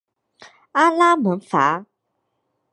阿拉门戈。